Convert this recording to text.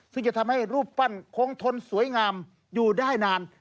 ซึ่งจะทำให้รูปปั้นคงทนสวยงามอยู่ได้นาน